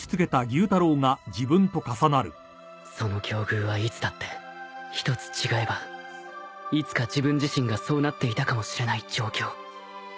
その境遇はいつだって一つ違えばいつか自分自身がそうなっていたかもしれない状況